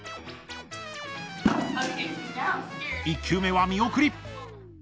１球目は見送り。